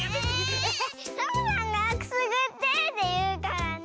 サボさんが「くすぐって」っていうからね。